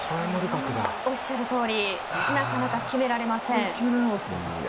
おっしゃるとおりなかなか決められません。